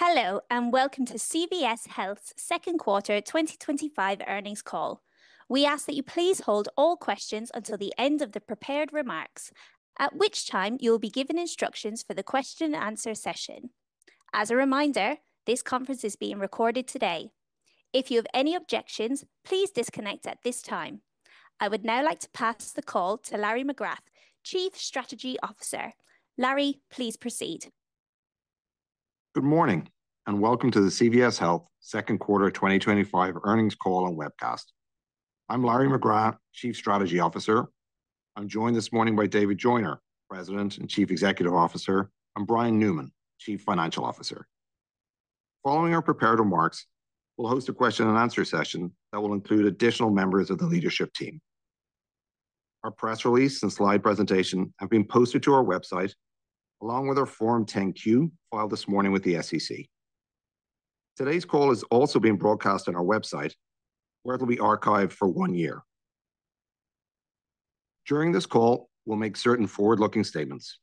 Hello and welcome to CVS Health's Second Quarter 2025 Earnings Call. We ask that you please hold all questions until the end of the prepared remarks, at which time you will be given instructions for the question-and-answer session. As a reminder, this conference is being recorded today. If you have any objections, please disconnect at this time. I would now like to pass the call to Larry McGrath, Chief Strategy Officer. Larry, please proceed. Good morning and welcome to the CVS Health second quarter 2025 earnings call and webcast. I'm Larry McGrath, Chief Strategy Officer. I'm joined this morning by David Joyner, President and Chief Executive Officer, and Brian Newman, Chief Financial Officer. Following our prepared remarks, we'll host a question-and-answer session that will include additional members of the leadership team. Our press release and slide presentation have been posted to our website, along with our Form 10-Q filed this morning with the SEC. Today's call is also being broadcast on our website, where it will be archived for one year. During this call, we'll make certain forward-looking statements.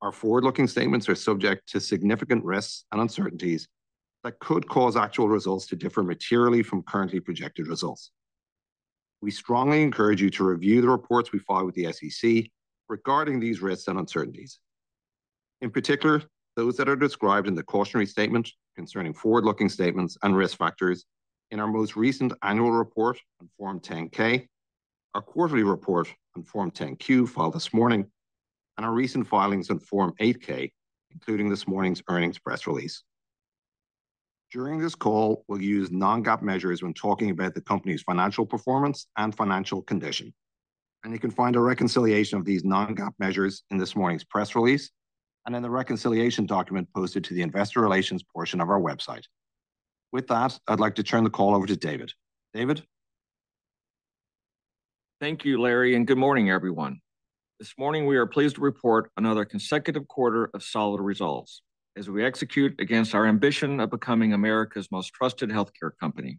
Our forward-looking statements are subject to significant risks and uncertainties that could cause actual results to differ materially from currently projected results. We strongly encourage you to review the reports we file with the SEC regarding these risks and uncertainties, in particular those that are described in the cautionary statement concerning forward-looking statements and risk factors in our most recent annual report on Form 10-K, our quarterly report on Form 10-Q filed this morning, and our recent filings on Form 8-K, including this morning's earnings press release. During this call, we'll use non-GAAP measures when talking about the company's financial performance and financial condition, and you can find a reconciliation of these non-GAAP measures in this morning's press release and in the reconciliation document posted to the investor relations portion of our website. With that, I'd like to turn the call over to David. David. Thank you, Larry, and good morning, everyone. This morning, we are pleased to report another consecutive quarter of solid results as we execute against our ambition of becoming America's most trusted healthcare company.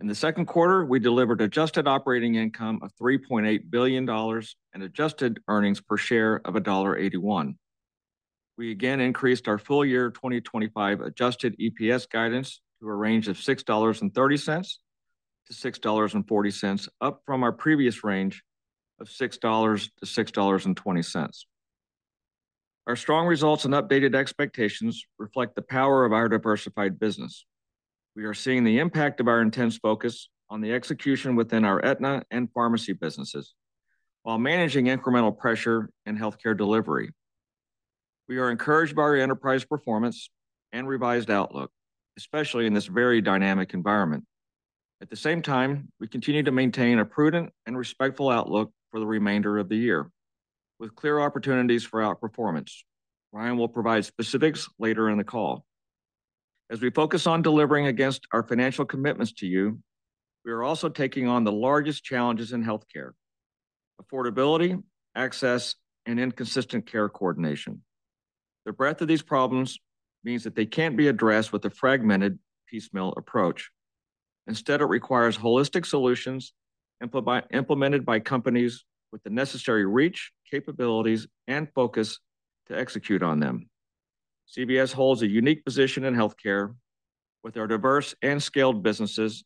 In the second quarter, we delivered adjusted operating income of $3.8 billion and adjusted earnings per share of $1.81. We again increased our full year 2025 adjusted EPS guidance to a range of $6.30-$6.40, up from our previous range of $6.00-$6.20. Our strong results and updated expectations reflect the power of our diversified business. We are seeing the impact of our intense focus on the execution within our Aetna and Pharmacy businesses while managing incremental pressure in healthcare delivery. We are encouraged by our enterprise performance and revised outlook, especially in this very dynamic environment. At the same time, we continue to maintain a prudent and respectful outlook for the remainder of the year, with clear opportunities for outperformance. Brian will provide specifics later in the call. As we focus on delivering against our financial commitments to you, we are also taking on the largest challenges in healthcare: affordability, access, and inconsistent care coordination. The breadth of these problems means that they can't be addressed with a fragmented, piecemeal approach. Instead, it requires holistic solutions implemented by companies with the necessary reach, capabilities, and focus to execute on them. CVS Health holds a unique position in healthcare with our diverse and scaled businesses,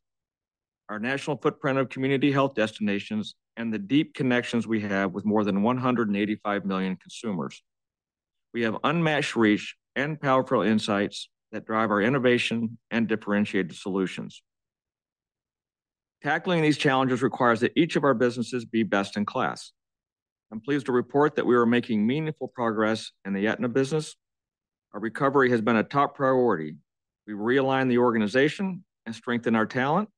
our national footprint of community health destinations, and the deep connections we have with more than 185 million consumers. We have unmatched reach and powerful insights that drive our innovation and differentiated solutions. Tackling these challenges requires that each of our businesses be best in class. I'm pleased to report that we are making meaningful progress in the Aetna business. Our recovery has been a top priority. We realign the organization and strengthen our talent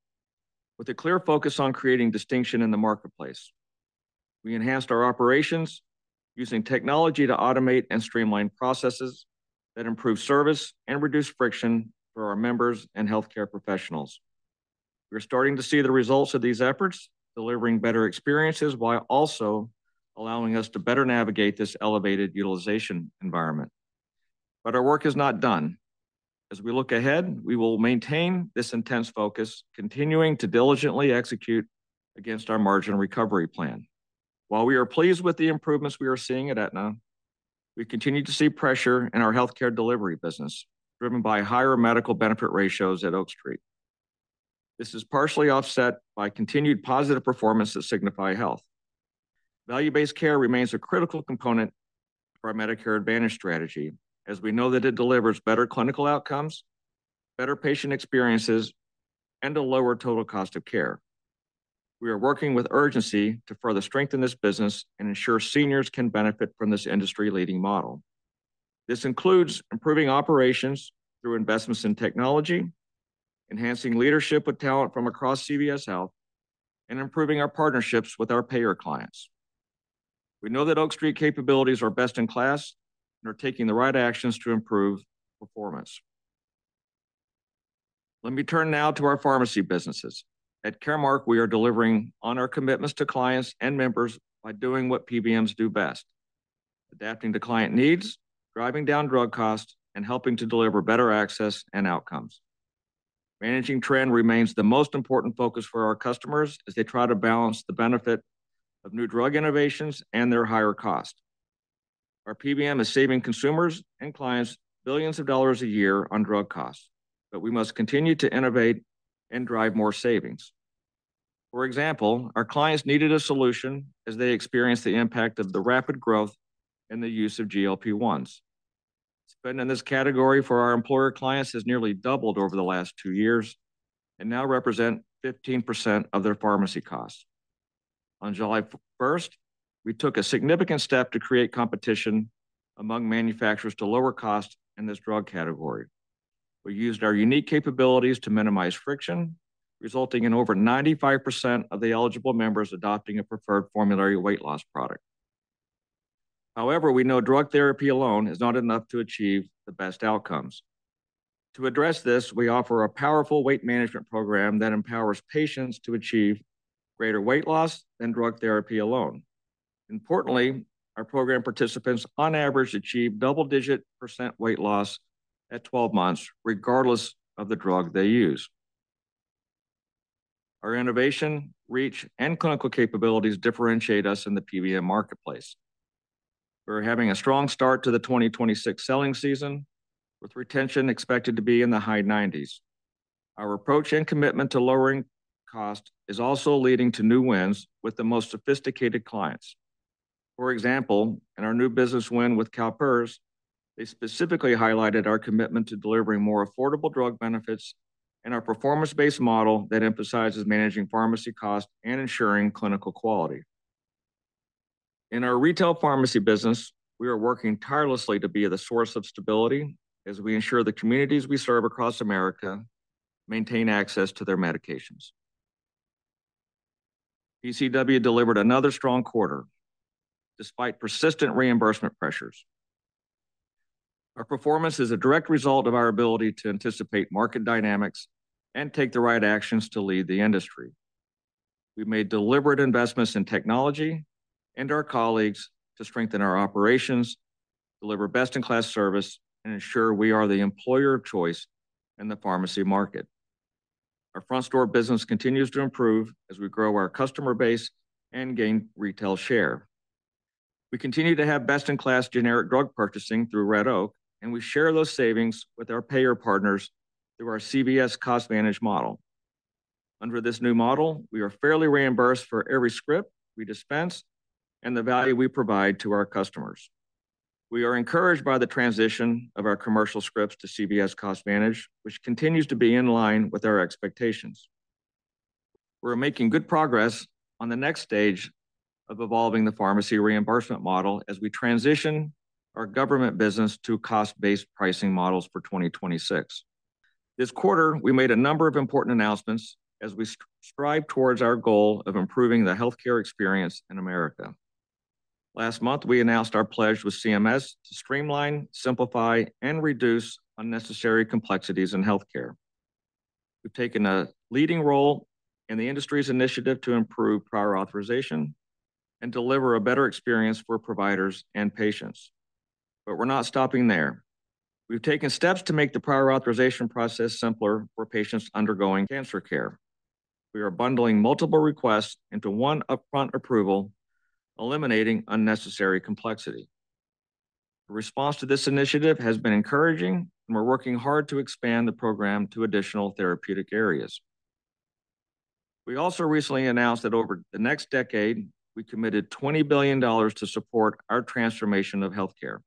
with a clear focus on creating distinction in the marketplace. We enhanced our operations using technology to automate and streamline processes that improve service and reduce friction for our members and healthcare professionals. We are starting to see the results of these efforts, delivering better experiences while also allowing us to better navigate this elevated utilization environment. Our work is not done. As we look ahead, we will maintain this intense focus, continuing to diligently execute against our margin recovery plan. While we are pleased with the improvements we are seeing at Aetna, we continue to see pressure in our Healthcare delivery business, driven by higher medical benefit ratios at Oak Street. This is partially offset by continued positive performance that Signify Health. Value-based care remains a critical component of our Medicare Advantage strategy, as we know that it delivers better clinical outcomes, better patient experiences, and a lower total cost of care. We are working with urgency to further strengthen this business and ensure seniors can benefit from this industry-leading model. This includes improving operations through investments in technology, enhancing leadership with talent from across CVS Health, and improving our partnerships with our payer clients. We know that Oak Street capabilities are best in class and are taking the right actions to improve performance. Let me turn now to our Pharmacy businesses. At Caremark, we are delivering on our commitments to clients and members by doing what PBMs do best: adapting to client needs, driving down drug costs, and helping to deliver better access and outcomes. Managing trend remains the most important focus for our customers as they try to balance the benefit of new drug innovations and their higher cost. Our PBM is saving consumers and clients billions of dollars a year on drug costs, but we must continue to innovate and drive more savings. For example, our clients needed a solution as they experienced the impact of the rapid growth in the use of GLP-1s. Spend in this category for our employer clients has nearly doubled over the last two years and now represents 15% of their pharmacy costs. On July 1st, we took a significant step to create competition among manufacturers to lower costs in this drug category. We used our unique capabilities to minimize friction, resulting in over 95% of the eligible members adopting a preferred formulary weight loss product. However, we know drug therapy alone is not enough to achieve the best outcomes. To address this, we offer a powerful weight management program that empowers patients to achieve greater weight loss than drug therapy alone. Importantly, our program participants, on average, achieve double-digit percent weight loss at 12 months, regardless of the drug they use. Our innovation, reach, and clinical capabilities differentiate us in the PBM marketplace. We're having a strong start to the 2026 selling season, with retention expected to be in the high 90%. Our approach and commitment to lowering cost is also leading to new wins with the most sophisticated clients. For example, in our new business win with CalPERS, they specifically highlighted our commitment to delivering more affordable drug benefits and our performance-based model that emphasizes managing pharmacy costs and ensuring clinical quality. In our retail pharmacy business, we are working tirelessly to be the source of stability as we ensure the communities we serve across America maintain access to their medications. PCW delivered another strong quarter despite persistent reimbursement pressures. Our performance is a direct result of our ability to anticipate market dynamics and take the right actions to lead the industry. We made deliberate investments in technology and our colleagues to strengthen our operations, deliver best-in-class service, and ensure we are the employer of choice in the pharmacy market. Our front-store business continues to improve as we grow our customer base and gain retail share. We continue to have best-in-class generic drug purchasing through Red Oak, and we share those savings with our payer partners through our CVS CostVantage model. Under this new model, we are fairly reimbursed for every script we dispense and the value we provide to our customers. We are encouraged by the transition of our commercial scripts to CVS CostVantage, which continues to be in line with our expectations. We're making good progress on the next stage of evolving the pharmacy reimbursement model as we transition our government business to cost-based pricing models for 2026. This quarter, we made a number of important announcements as we strive towards our goal of improving the healthcare experience in America. Last month, we announced our pledge with CMS to streamline, simplify, and reduce unnecessary complexities in healthcare. We've taken a leading role in the industry's initiative to improve prior authorization and deliver a better experience for providers and patients. We are not stopping there. We've taken steps to make the prior authorization process simpler for patients undergoing cancer care. We are bundling multiple requests into one upfront approval, eliminating unnecessary complexity. The response to this initiative has been encouraging, and we're working hard to expand the program to additional therapeutic areas. We also recently announced that over the next decade, we committed $20 billion to support our transformation of healthcare.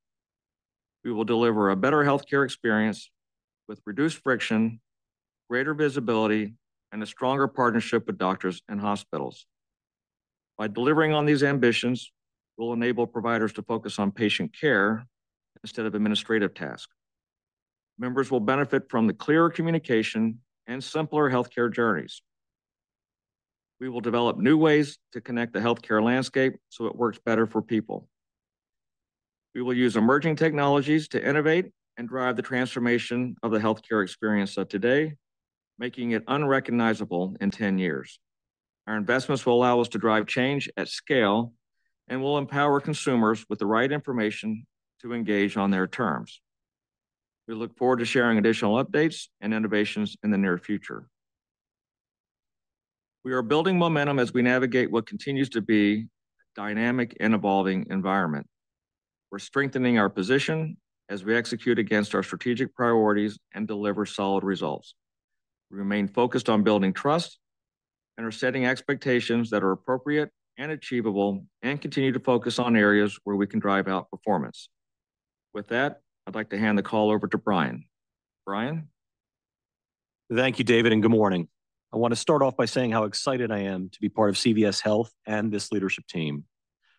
We will deliver a better healthcare experience with reduced friction, greater visibility, and a stronger partnership with doctors and hospitals. By delivering on these ambitions, we'll enable providers to focus on patient care instead of administrative tasks. Members will benefit from the clearer communication and simpler healthcare journeys. We will develop new ways to connect the healthcare landscape so it works better for people. We will use emerging technologies to innovate and drive the transformation of the healthcare experience of today, making it unrecognizable in 10 years. Our investments will allow us to drive change at scale and will empower consumers with the right information to engage on their terms. We look forward to sharing additional updates and innovations in the near future. We are building momentum as we navigate what continues to be a dynamic and evolving environment. We're strengthening our position as we execute against our strategic priorities and deliver solid results. We remain focused on building trust and are setting expectations that are appropriate and achievable and continue to focus on areas where we can drive out performance. With that, I'd like to hand the call over to Brian. Brian. Thank you, David, and good morning. I want to start off by saying how excited I am to be part of CVS Health and this leadership team.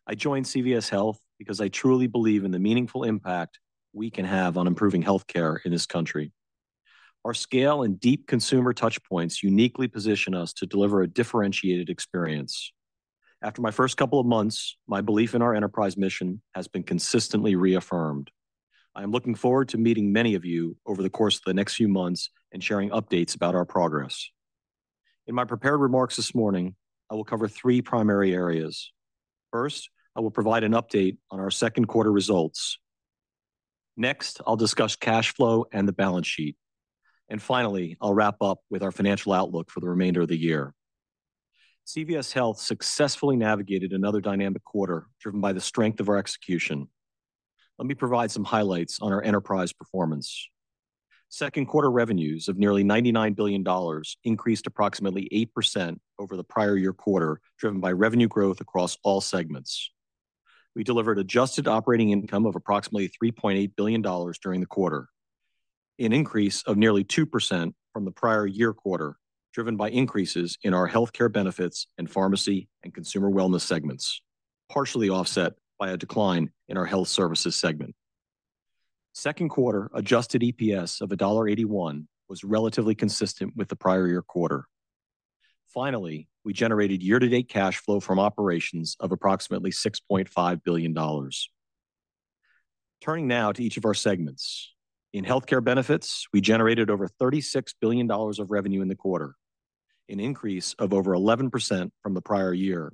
I joined CVS Health because I truly believe in the meaningful impact we can have on improving healthcare in this country. Our scale and deep consumer touchpoints uniquely position us to deliver a differentiated experience. After my first couple of months, my belief in our enterprise mission has been consistently reaffirmed. I am looking forward to meeting many of you over the course of the next few months and sharing updates about our progress. In my prepared remarks this morning, I will cover three primary areas. First, I will provide an update on our second quarter results. Next, I'll discuss cash flow and the balance sheet. Finally, I'll wrap up with our financial outlook for the remainder of the year. CVS Health successfully navigated another dynamic quarter driven by the strength of our execution. Let me provide some highlights on our enterprise performance. Second quarter revenues of nearly $99 billion increased approximately 8% over the prior year quarter, driven by revenue growth across all segments. We delivered adjusted operating income of approximately $3.8 billion during the quarter, an increase of nearly 2% from the prior year quarter, driven by increases in our healthcare benefits and pharmacy and consumer wellness segments, partially offset by a decline in our health services segment. Second quarter adjusted EPS of $1.81 was relatively consistent with the prior year quarter. Finally, we generated Year-to-date cash flow from operations of approximately $6.5 billion. Turning now to each of our segments. In Healthcare benefits, we generated over $36 billion of revenue in the quarter, an increase of over 11% from the prior year,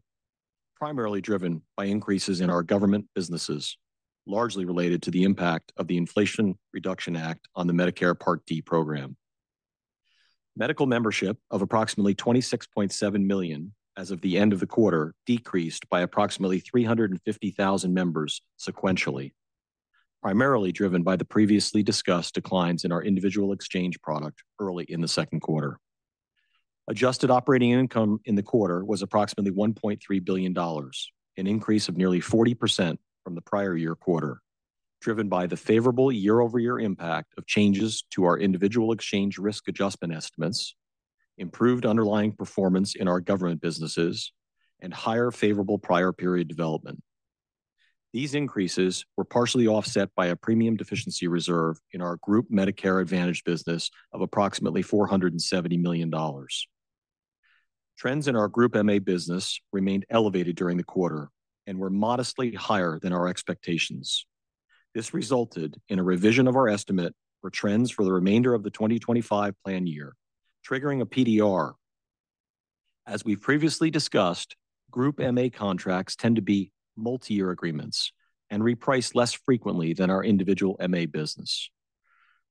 primarily driven by increases in our government businesses, largely related to the impact of the Inflation Reduction Act on the Medicare Part D program. Medical membership of approximately 26.7 million as of the end of the quarter decreased by approximately 350,000 members sequentially, primarily driven by the previously discussed declines in our individual exchange product early in the second quarter. Adjusted operating income in the quarter was approximately $1.3 billion, an increase of nearly 40% from the prior year quarter, driven by the favorable year-over-year impact of changes to our individual exchange risk adjustment estimates, improved underlying performance in our government businesses, and higher favorable prior-period development. These increases were partially offset by a premium deficiency reserve in our group Medicare Advantage business of approximately $470 million. Trends in our group MA business remained elevated during the quarter and were modestly higher than our expectations. This resulted in a revision of our estimate for trends for the remainder of the 2025 plan year, triggering a PDR. As we've previously discussed, group MA contracts tend to be multi-year agreements and repriced less frequently than our individual MA business.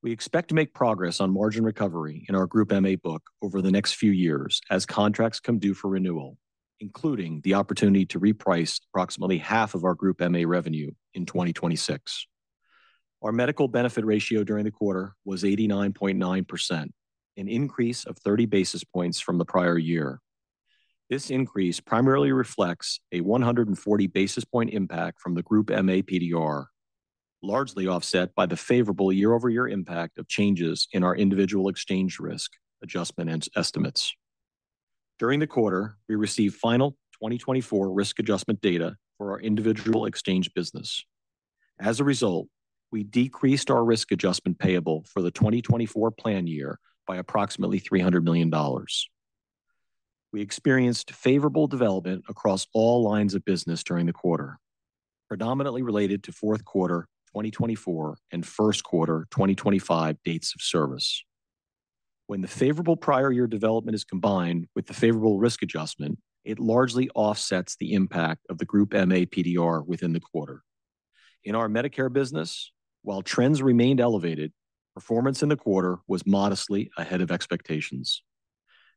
We expect to make progress on margin recovery in our group MA book over the next few years as contracts come due for renewal, including the opportunity to reprice approximately half of our group MA revenue in 2026. Our medical benefit ratio during the quarter was 89.9%, an increase of 30 basis points from the prior year. This increase primarily reflects a 140 basis point impact from the group MA PDR, largely offset by the favorable year-over-year impact of changes in our individual exchange risk adjustment estimates. During the quarter, we received final 2024 risk adjustment data for our individual exchange business. As a result, we decreased our risk adjustment payable for the 2024 plan year by approximately $300 million. We experienced favorable development across all lines of business during the quarter, predominantly related to fourth quarter 2024 and first quarter 2025 dates of service. When the favorable prior-year development is combined with the favorable risk adjustment, it largely offsets the impact of the group MA PDR within the quarter. In our Medicare business, while trends remained elevated, performance in the quarter was modestly ahead of expectations.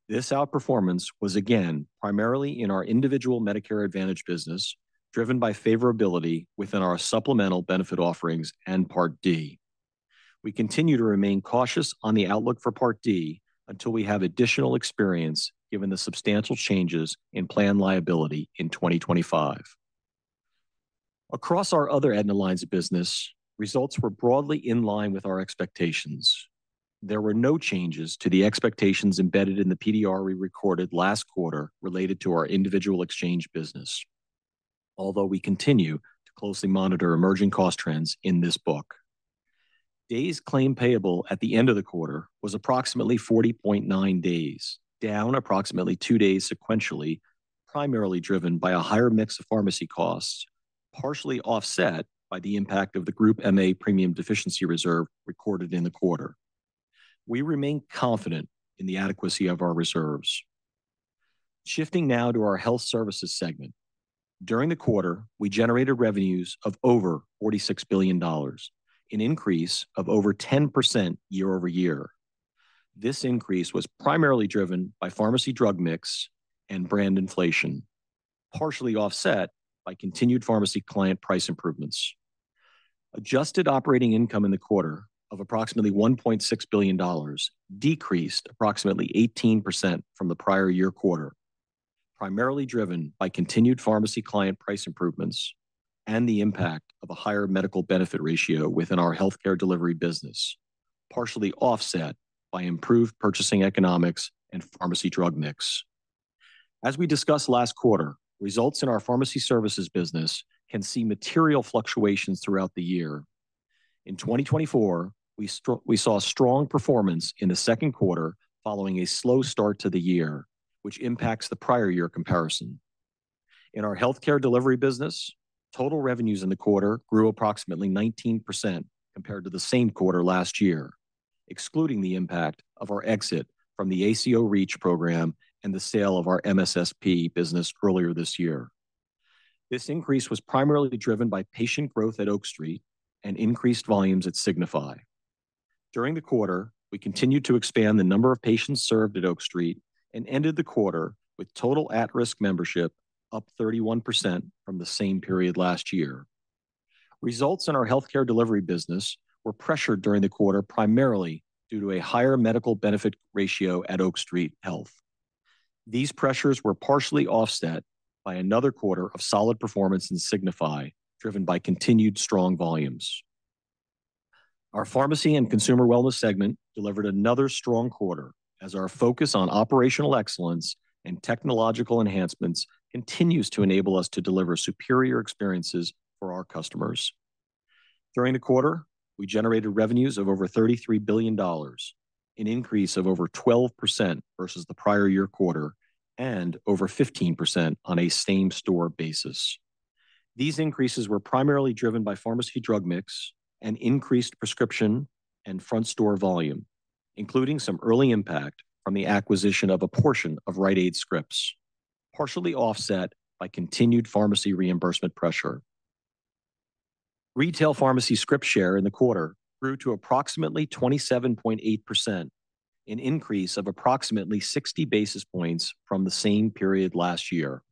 This outperformance was again primarily in our individual Medicare Advantage business, driven by favorability within our supplemental benefit offerings and Part D. We continue to remain cautious on the outlook for Part D until we have additional experience given the substantial changes in plan liability in 2025. Across our other Aetna lines of business, results were broadly in line with our expectations. There were no changes to the expectations embedded in the PDR we recorded last quarter related to our individual exchange business. Although we continue to closely monitor emerging cost trends in this book. Days claimed payable at the end of the quarter was approximately 40.9 days, down approximately two days sequentially, primarily driven by a higher mix of pharmacy costs, partially offset by the impact of the group MA premium deficiency reserve recorded in the quarter. We remain confident in the adequacy of our reserves. Shifting now to our health services segment. During the quarter, we generated revenues of over $46 billion, an increase of over 10% year-over-year. This increase was primarily driven by pharmacy drug mix and brand inflation, partially offset by continued pharmacy client price improvements. Adjusted operating income in the quarter of approximately $1.6 billion decreased approximately 18% from the prior year quarter, primarily driven by continued pharmacy client price improvements and the impact of a higher medical benefit ratio within our Healthcare delivery business, partially offset by improved purchasing economics and pharmacy drug mix. As we discussed last quarter, results in our pharmacy services business can see material fluctuations throughout the year. In 2024, we saw strong performance in the second quarter following a slow start to the year, which impacts the prior-year comparison. In our Healthcare delivery business, total revenues in the quarter grew approximately 19% compared to the same quarter last year, excluding the impact of our exit from the ACO REACH program and the sale of our MSSP business earlier this year. This increase was primarily driven by patient growth at Oak Street and increased volumes at Signify. During the quarter, we continued to expand the number of patients served at Oak Street and ended the quarter with total at-risk membership up 31% from the same period last year. Results in our Healthcare delivery business were pressured during the quarter primarily due to a higher medical benefit ratio at Oak Street Health. These pressures were partially offset by another quarter of solid performance in Signify, driven by continued strong volumes. Our pharmacy and consumer wellness segment delivered another strong quarter as our focus on operational excellence and technological enhancements continues to enable us to deliver superior experiences for our customers. During the quarter, we generated revenues of over $33 billion, an increase of over 12% versus the prior-year quarter, and over 15% on a same-store basis. These increases were primarily driven by pharmacy drug mix and increased prescription and front-store volume, including some early impact from the acquisition of a portion of Rite Aid scripts, partially offset by continued pharmacy reimbursement pressure. Retail pharmacy script share in the quarter grew to approximately 27.8%, an increase of approximately 60 basis points from the same period last year.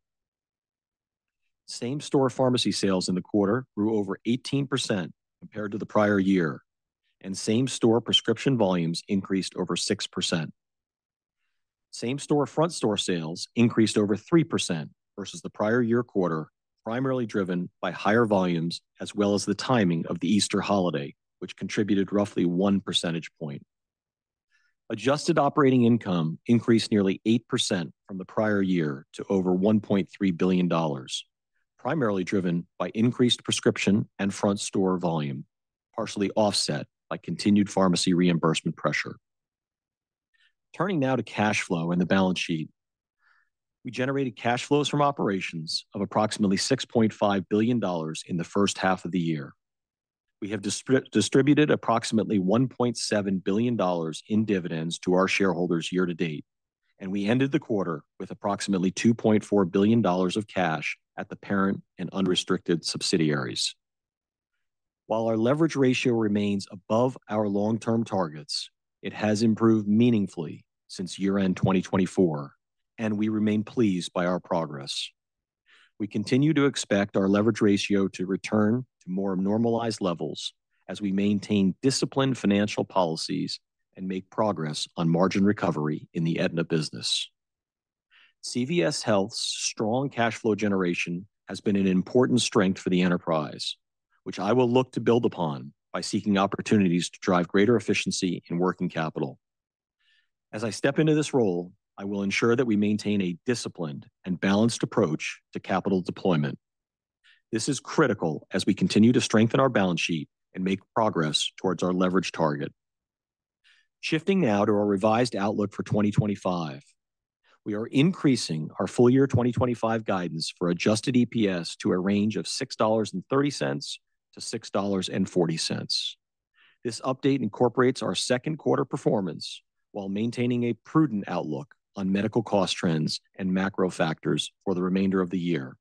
Same-store pharmacy sales in the quarter grew over 18% compared to the prior year, and same-store prescription volumes increased over 6%. Same-store front-store sales increased over 3% versus the prior-year quarter, primarily driven by higher volumes as well as the timing of the Easter holiday, which contributed roughly one percentage point. Adjusted operating income increased nearly 8% from the prior year to over $1.3 billion, primarily driven by increased prescription and front-store volume, partially offset by continued pharmacy reimbursement pressure. Turning now to cash flow and the balance sheet. We generated cash flows from operations of approximately $6.5 billion in the first half of the year. We have distributed approximately $1.7 billion in dividends to our shareholders year-to-date, and we ended the quarter with approximately $2.4 billion of cash at the parent and unrestricted subsidiaries. While our leverage ratio remains above our long-term targets, it has improved meaningfully since year-end 2024, and we remain pleased by our progress. We continue to expect our leverage ratio to return to more normalized levels as we maintain disciplined financial policies and make progress on margin recovery in the Aetna business. CVS Health's strong cash flow generation has been an important strength for the enterprise, which I will look to build upon by seeking opportunities to drive greater efficiency in working capital. As I step into this role, I will ensure that we maintain a disciplined and balanced approach to capital deployment. This is critical as we continue to strengthen our balance sheet and make progress towards our leverage target. Shifting now to our revised outlook for 2025. We are increasing our full-year 2025 guidance for adjusted EPS to a range of $6.30-$6.40. This update incorporates our second-quarter performance while maintaining a prudent outlook on medical cost trends and macro factors for the remainder of the year.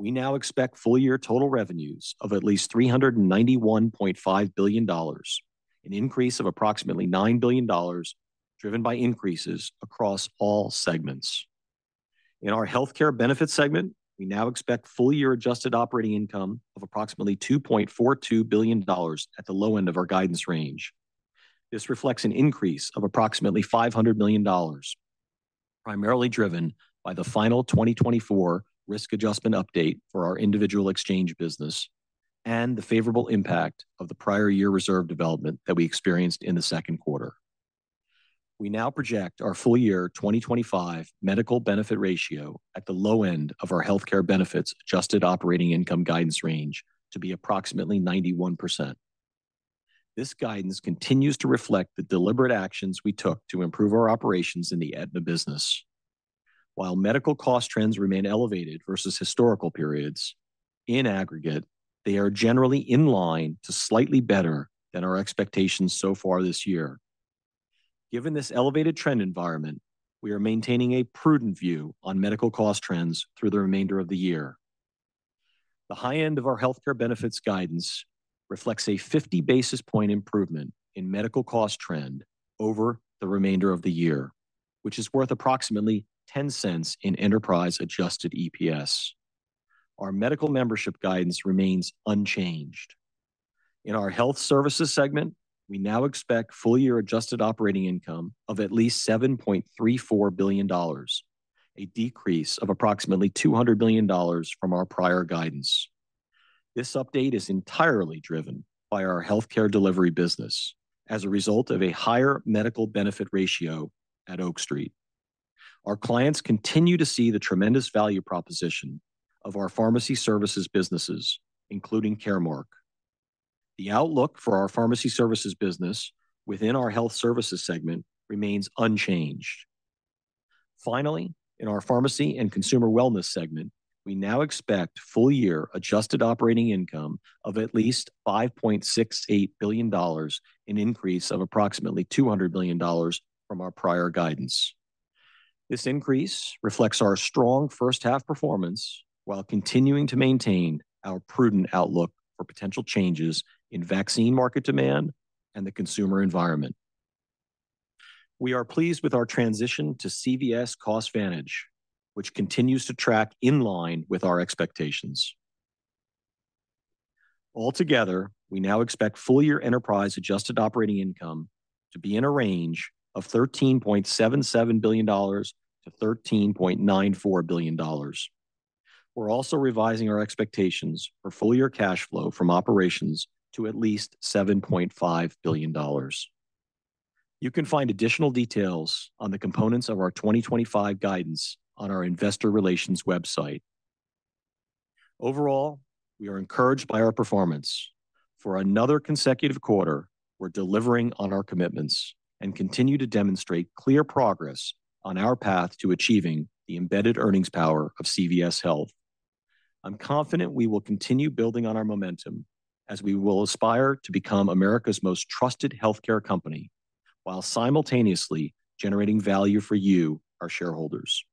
We now expect full-year total revenues of at least $391.5 billion, an increase of approximately $9 billion, driven by increases across all segments. In our healthcare benefits segment, we now expect full-year adjusted operating income of approximately $2.42 billion at the low end of our guidance range. This reflects an increase of approximately $500 million, primarily driven by the final 2024 risk adjustment update for our individual exchange business and the favorable impact of the prior-year reserve development that we experienced in the second quarter. We now project our full-year 2025 medical benefit ratio at the low end of our healthcare benefits adjusted operating income guidance range to be approximately 91%. This guidance continues to reflect the deliberate actions we took to improve our operations in the Aetna business. While medical cost trends remain elevated versus historical periods, in aggregate, they are generally in line to slightly better than our expectations so far this year. Given this elevated trend environment, we are maintaining a prudent view on medical cost trends through the remainder of the year. The high end of our healthcare benefits guidance reflects a 50 basis point improvement in medical cost trend over the remainder of the year, which is worth approximately $0.10 in enterprise-adjusted EPS. Our medical membership guidance remains unchanged. In our health services segment, we now expect full-year adjusted operating income of at least $7.34 billion, a decrease of approximately $200 million from our prior guidance. This update is entirely driven by our Healthcare delivery business as a result of a higher medical benefit ratio at Oak Street. Our clients continue to see the tremendous value proposition of our pharmacy services businesses, including Caremark. The outlook for our pharmacy services business within our health services segment remains unchanged. Finally, in our pharmacy and consumer wellness segment, we now expect full-year adjusted operating income of at least $5.68 billion, an increase of approximately $200 million from our prior guidance. This increase reflects our strong first-half performance while continuing to maintain our prudent outlook for potential changes in vaccine market demand and the consumer environment. We are pleased with our transition to CVS CostVantage, which continues to track in line with our expectations. Altogether, we now expect full-year enterprise-adjusted operating income to be in a range of $13.77 billion-$13.94 billion. We're also revising our expectations for full-year cash flow from operations to at least $7.5 billion. You can find additional details on the components of our 2025 guidance on our investor relations website. Overall, we are encouraged by our performance. For another consecutive quarter, we're delivering on our commitments and continue to demonstrate clear progress on our path to achieving the embedded earnings power of CVS Health. I'm confident we will continue building on our momentum as we aspire to become America's most trusted healthcare company while simultaneously generating value for you, our shareholders.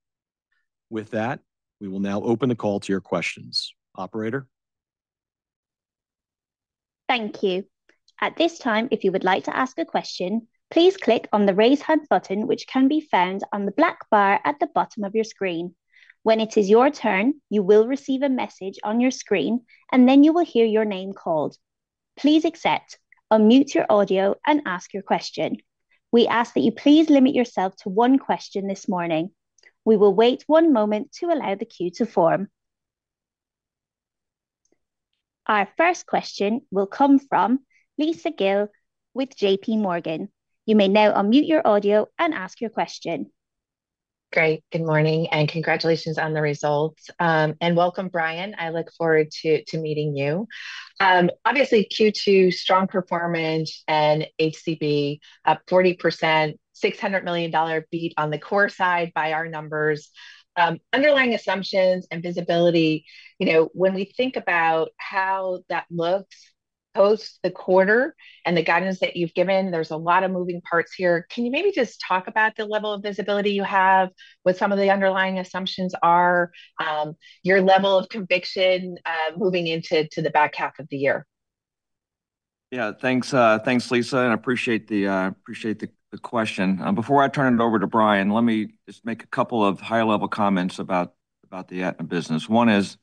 With that, we will now open the call to your questions, Operator. Thank you. At this time, if you would like to ask a question, please click on the raise hand button, which can be found on the black bar at the bottom of your screen. When it is your turn, you will receive a message on your screen, and then you will hear your name called. Please accept, unmute your audio, and ask your question. We ask that you please limit yourself to one question this morning. We will wait one moment to allow the queue to form. Our first question will come from Lisa Gill with JPMorgan. You may now unmute your audio and ask your question. Great. Good morning and congratulations on the results. And welcome, Brian. I look forward to meeting you. Obviously, Q2 strong performance and HCB up 40%, $600 million beat on the core side by our numbers. Underlying assumptions and visibility, you know, when we think about how that looks post the quarter and the guidance that you've given, there's a lot of moving parts here. Can you maybe just talk about the level of visibility you have, what some of the underlying assumptions are, your level of conviction moving into the back half of the year? Yeah, thanks, Lisa, and I appreciate the question. Before I turn it over to Brian, let me just make a couple of high-level comments about the Aetna business. One is,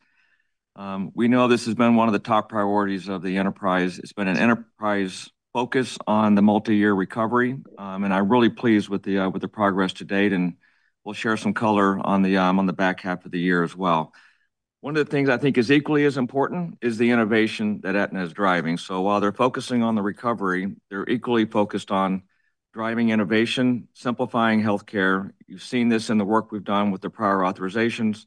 we know this has been one of the top priorities of the enterprise. It's been an enterprise focus on the multi-year recovery, and I'm really pleased with the progress to date, and we'll share some color on the back half of the year as well. One of the things I think is equally as important is the innovation that Aetna is driving. While they're focusing on the recovery, they're equally focused on driving innovation, simplifying healthcare. You've seen this in the work we've done with the prior authorizations,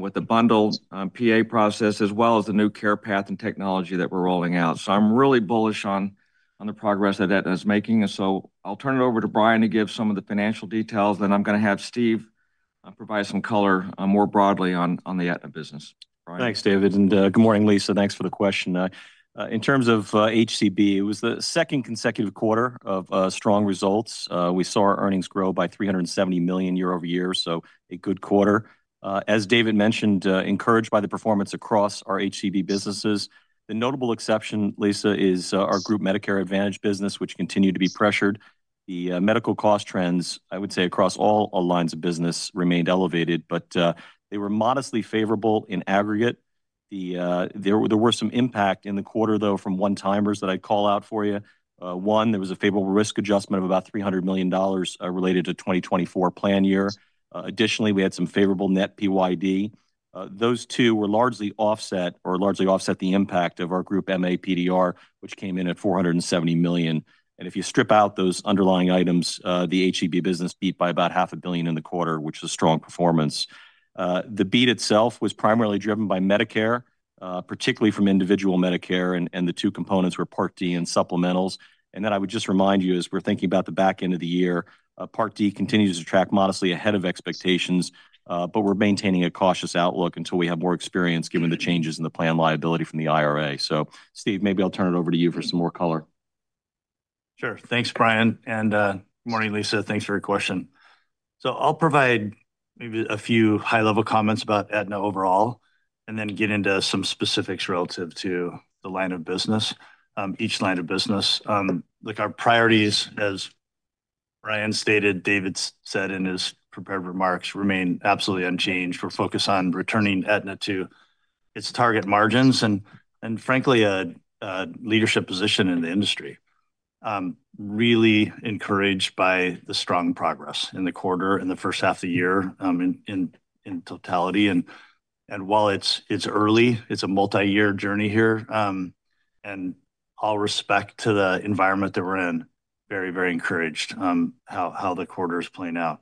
with the bundled PA process, as well as the new care path and technology that we're rolling out. I'm really bullish on the progress that Aetna is making. I'll turn it over to Brian to give some of the financial details, then I'm going to have Steve provide some color more broadly on the Aetna business. Thanks, David. Good morning, Lisa. Thanks for the question. In terms of HCB, it was the second consecutive quarter of strong results. We saw our earnings grow by $370 million year-over-year, so a good quarter. As David mentioned, encouraged by the performance across our HCB businesses, the notable exception, Lisa, is our Group Medicare Advantage business, which continued to be pressured. The medical cost trends, I would say across all lines of business, remained elevated, but they were modestly favorable in aggregate. There were some impacts in the quarter from one-timers that I'd call out for you. One, there was a favorable risk adjustment of about $300 million related to the 2024 plan year. Additionally, we had some favorable net PYD. Those two largely offset the impact of our group MA PDR, which came in at $470 million. If you strip out those underlying items, the HCB business beat by about half a billion in the quarter, which is a strong performance. The beat itself was primarily driven by Medicare, particularly from individual Medicare, and the two components were Part D and supplementals. I would just remind you, as we're thinking about the back end of the year, Part D continues to track modestly ahead of expectations, but we're maintaining a cautious outlook until we have more experience given the changes in the plan liability from the IRA. Steve, maybe I'll turn it over to you for some more color. Sure. Thanks, Brian. Good morning, Lisa. Thanks for your question. I'll provide maybe a few high-level comments about Aetna overall and then get into some specifics relative to the line of business, each line of business. Our priorities, as Brian stated, David said in his prepared remarks, remain absolutely unchanged. We're focused on returning Aetna to its target margins and, frankly, a leadership position in the industry. Really encouraged by the strong progress in the quarter and the first half of the year in totality. While it's early, it's a multi-year journey here. All respect to the environment that we're in, very, very encouraged how the quarter is playing out.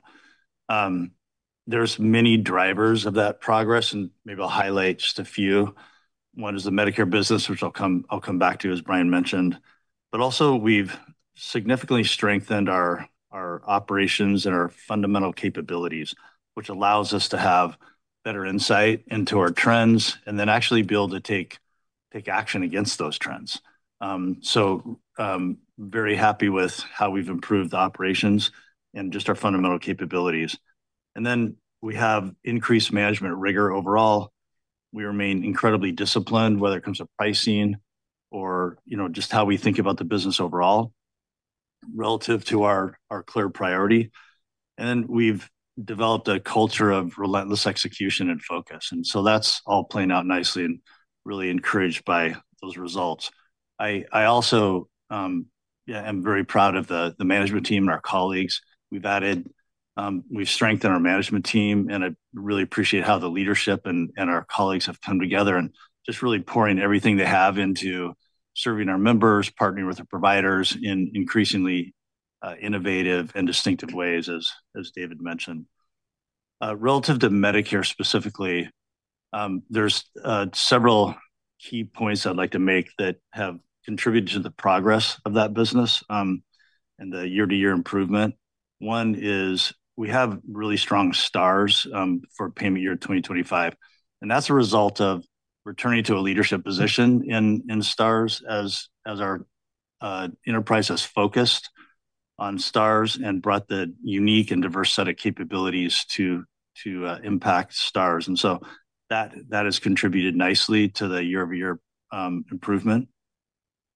There are many drivers of that progress, and maybe I'll highlight just a few. One is the Medicare business, which I'll come back to, as Brian mentioned. We've significantly strengthened our operations and our fundamental capabilities, which allows us to have better insight into our trends and then actually be able to take action against those trends. Very happy with how we've improved the operations and just our fundamental capabilities. We have increased management rigor overall. We remain incredibly disciplined, whether it comes to pricing or just how we think about the business overall, relative to our clear priority. We've developed a culture of relentless execution and focus. That's all playing out nicely and really encouraged by those results. I also am very proud of the management team and our colleagues. We've strengthened our management team, and I really appreciate how the leadership and our colleagues have come together and just really pouring everything they have into serving our members, partnering with our providers in increasingly innovative and distinctive ways, as David mentioned. Relative to Medicare specifically, there are several key points I'd like to make that have contributed to the progress of that business and the year-to-year improvement. One is we have really strong stars for payment year 2025. That's a result of returning to a leadership position in stars as our enterprise has focused on stars and brought the unique and diverse set of capabilities to impact stars. That has contributed nicely to the year-over-year improvement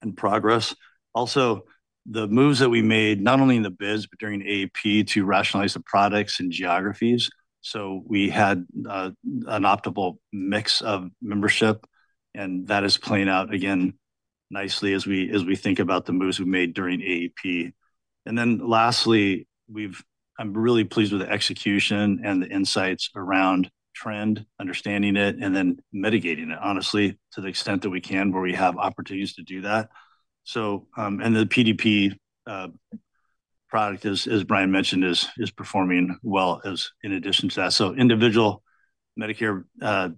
and progress. Also, the moves that we made, not only in the bids, but during AEP to rationalize the products and geographies, so we had an optimal mix of membership, and that is playing out again nicely as we think about the moves we made during AEP. Lastly, I'm really pleased with the execution and the insights around trend, understanding it, and then mitigating it, honestly, to the extent that we can where we have opportunities to do that. And the PDP. Product, as Brian mentioned, is performing well. In addition to that, individual Medicare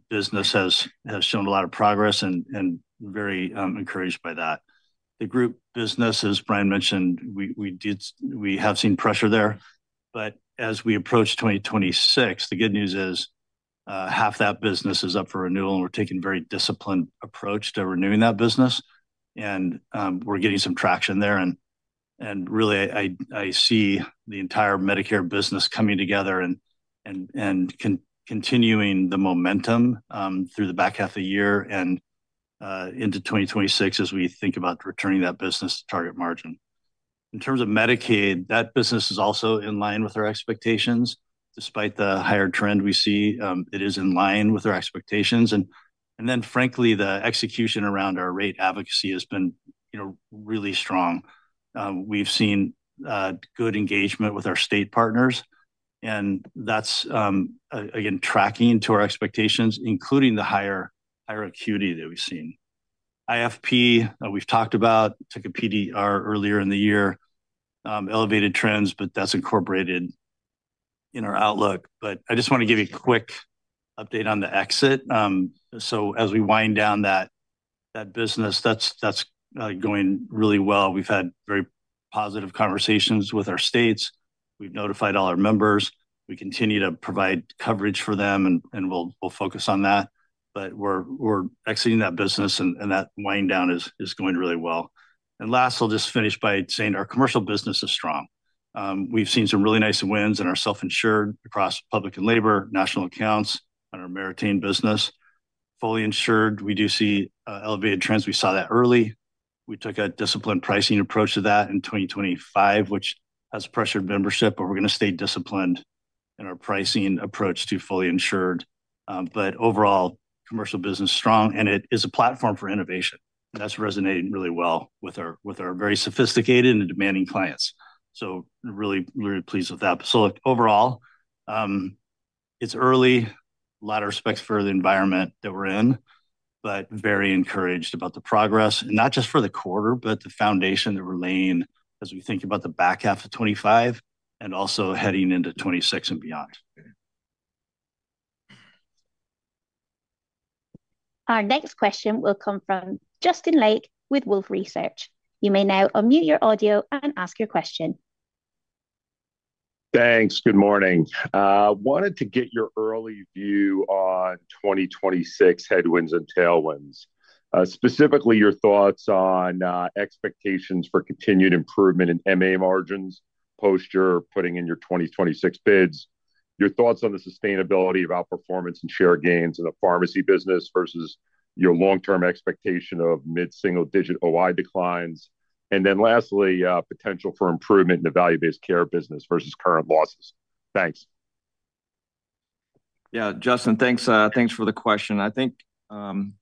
business has shown a lot of progress and very encouraged by that. The group business, as Brian mentioned, we have seen pressure there. As we approach 2026, the good news is half that business is up for renewal, and we're taking a very disciplined approach to renewing that business. We're getting some traction there. I see the entire Medicare business coming together and continuing the momentum through the back half of the year and into 2026 as we think about returning that business to target margin. In terms of Medicaid, that business is also in line with our expectations. Despite the higher trend we see, it is in line with our expectations. Frankly, the execution around our rate advocacy has been really strong. We've seen good engagement with our state partners, and that's, again, tracking to our expectations, including the higher acuity that we've seen. IFP, we've talked about, took a PDR earlier in the year, elevated trends, but that's incorporated in our outlook. I just want to give you a quick update on the exit. As we wind down that business, that's going really well. We've had very positive conversations with our states. We've notified all our members. We continue to provide coverage for them, and we'll focus on that. We're exiting that business, and that wind down is going really well. Last, I'll just finish by saying our commercial business is strong. We've seen some really nice wins in our self-insured across public and labor, national accounts on our Meritain business. Fully insured, we do see elevated trends. We saw that early. We took a disciplined pricing approach to that in 2025, which has pressured membership, but we're going to stay disciplined in our pricing approach to fully insured. Overall, commercial business is strong, and it is a platform for innovation. That's resonating really well with our very sophisticated and demanding clients. Really, really pleased with that. Overall, it's early. A lot of respect for the environment that we're in, but very encouraged about the progress. Not just for the quarter, but the foundation that we're laying as we think about the back half of 2025 and also heading into 2026 and beyond. Our next question will come from Justin Lake with Wolfe Research. You may now unmute your audio and ask your question. Thanks. Good morning. I wanted to get your early view on 2026 headwinds and tailwinds, specifically your thoughts on expectations for continued improvement in MA margins, posture, putting in your 2026 bids, your thoughts on the sustainability of outperformance and share gains in the pharmacy business versus your long-term expectation of mid-single-digit OI declines, and then lastly, potential for improvement in the value-based care business versus current losses. Thanks. Yeah, Justin, thanks for the question. I think we're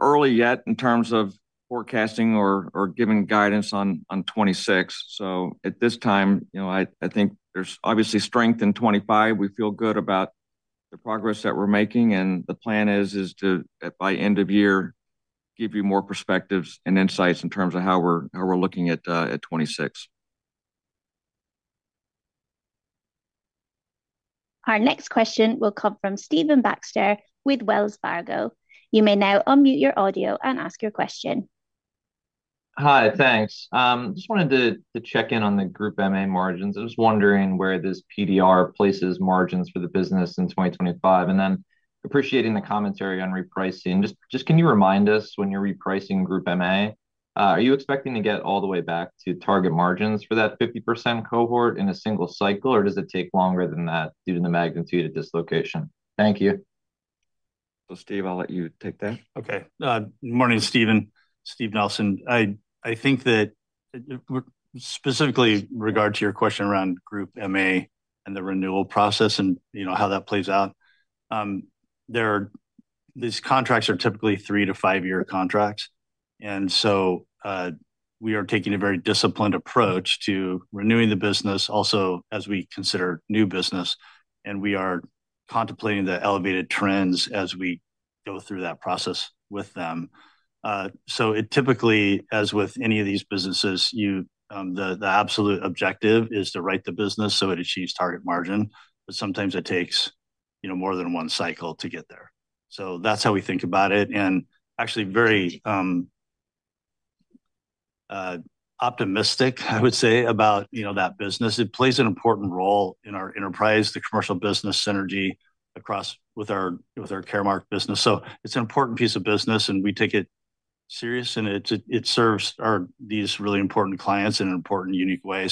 early yet in terms of forecasting or giving guidance on 2026. At this time, I think there's obviously strength in 2025. We feel good about the progress that we're making, and the plan is to, by end of year, give you more perspectives and insights in terms of how we're looking at 2026. Our next question will come from Stephen Baxter with Wells Fargo. You may now unmute your audio and ask your question. Hi, thanks. Just wanted to check in on the group MA margins. I was wondering where this PDR places margins for the business in 2025. Appreciating the commentary on repricing, can you remind us when you're repricing group MA, are you expecting to get all the way back to target margins for that 50% cohort in a single cycle, or does it take longer than that due to the magnitude of dislocation? Thank you. So Steve, I'll let you take that. Okay. Good morning, Stephen. Steve Nelson. Specifically in regard to your question around group MA and the renewal process and how that plays out, these contracts are typically three to five-year contracts. We are taking a very disciplined approach to renewing the business, also as we consider new business, and we are contemplating the elevated trends as we go through that process with them. Typically, as with any of these businesses, the absolute objective is to write the business so it achieves target margin, but sometimes it takes more than one cycle to get there. That's how we think about it. Actually very optimistic, I would say, about that business. It plays an important role in our enterprise, the commercial business synergy across with our Caremark business. It's an important piece of business, and we take it seriously, and it serves these really important clients in an important unique way.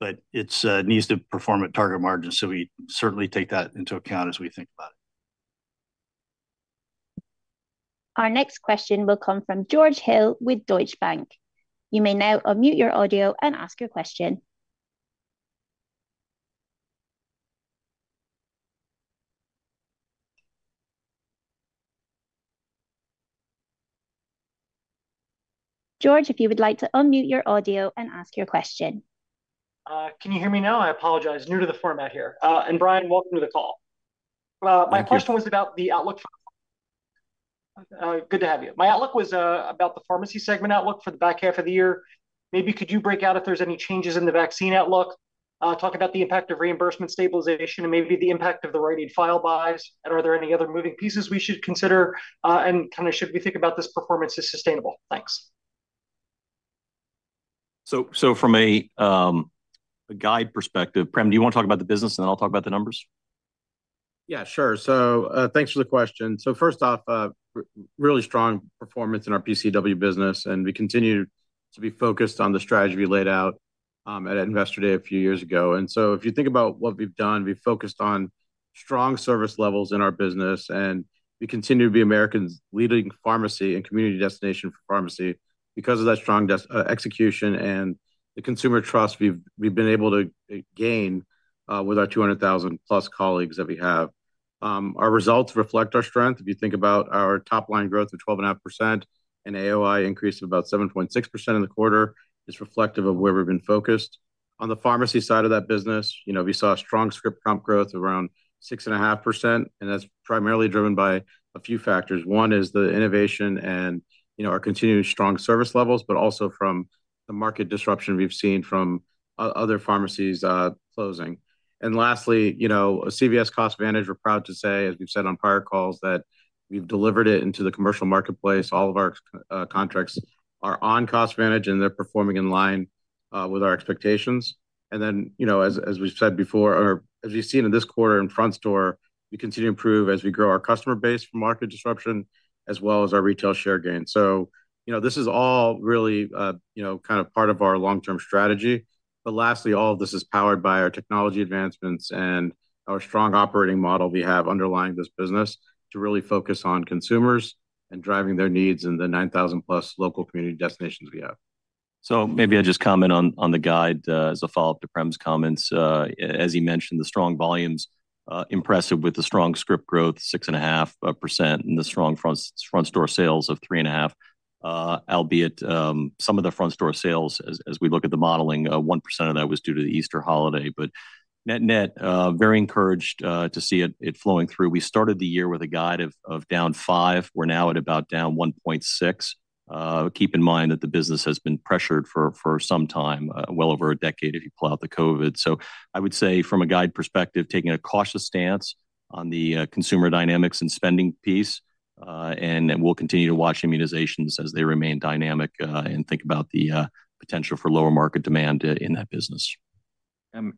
It needs to perform at target margin. We certainly take that into account as we think about it. Our next question will come from George Hill with Deutsche Bank. You may now unmute your audio and ask your question. George, if you would like to unmute your audio and ask your question. Can you hear me now? I apologize. New to the format here. And Brian, welcome to the call. My question was about the outlook for. Good to have you. My outlook was about the pharmacy segment outlook for the back half of the year. Maybe could you break out if there's any changes in the vaccine outlook, talk about the impact of reimbursement stabilization, and maybe the impact of the Rite Aid file buys. Are there any other moving pieces we should consider and should we think about this performance as sustainable? Thanks. From a guide perspective, Prem, do you want to talk about the business, and then I'll talk about the numbers? Yeah, sure. Thanks for the question. First off, really strong performance in our PCW business, and we continue to be focused on the strategy we laid out at Investor Day a few years ago. If you think about what we've done, we've focused on strong service levels in our business, and we continue to be America's leading pharmacy and community destination for pharmacy because of that strong execution and the consumer trust we've been able to gain with our 200,000-plus colleagues that we have. Our results reflect our strength. If you think about our top-line growth of 12.5% and AOI increase of about 7.6% in the quarter, it's reflective of where we've been focused. On the pharmacy side of that business, we saw a strong script pump growth of around 6.5%, and that's primarily driven by a few factors. One is the innovation and our continuing strong service levels, but also from the market disruption we've seen from other pharmacies closing. Lastly, CVS CostVantage, we're proud to say, as we've said on prior calls, that we've delivered it into the commercial marketplace. All of our contracts are on CostVantage, and they're performing in line with our expectations. As we've seen in this quarter in Front Store, we continue to improve as we grow our customer base from market disruption as well as our retail share gain. This is all really part of our long-term strategy. Lastly, all of this is powered by our technology advancements and our strong operating model we have underlying this business to really focus on consumers and driving their needs in the 9,000+ local community destinations we have. Maybe I'll just comment on the guide as a follow-up to Prem's comments. As he mentioned, the strong volumes are impressive with the strong script growth, 6.5%, and the strong Front Store sales of 3.5%. Albeit some of the Front Store sales, as we look at the modeling, 1% of that was due to the Easter holiday. Net-net, very encouraged to see it flowing through. We started the year with a guide of down 5%. We're now at about down 1.6%. Keep in mind that the business has been pressured for some time, well over a decade if you pull out the COVID. I would say, from a guide perspective, taking a cautious stance on the consumer dynamics and spending piece. We'll continue to watch immunizations as they remain dynamic and think about the potential for lower market demand in that business.